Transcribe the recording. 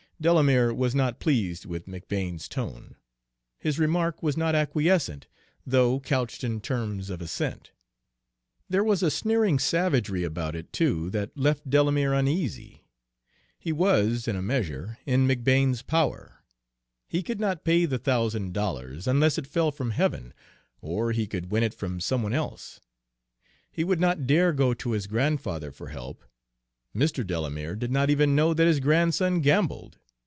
Delamere was not pleased with McBane's tone. His remark was not acquiescent, though couched in terms of assent. There was a sneering savagery about it, too, that left Delamere uneasy. He was, in a measure, in McBane's power. He could not pay the thousand dollars, unless it fell from heaven, or he could win it from some one else. He would not dare go to his grandfather for help. Mr. Delamere did not even know that his grandson gambled.